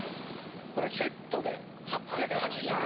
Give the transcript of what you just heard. これセットで８８０円。